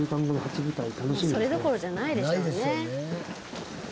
もうそれどころじゃないでしょうね。